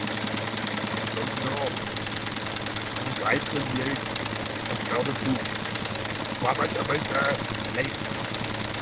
It flows north through Brightsand Lake and further to Wapakaimaski Lake.